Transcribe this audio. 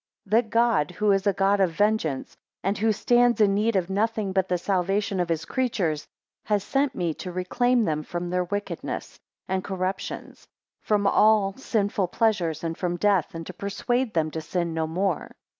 6 That God, who is a God of vengeance, and who strands in need of nothing but the salvation of his creatures, has sent me to reclaim them from their wickedness, and corruptions; from all (sinful) pleasures, and from death; and to persuade them to sin no more.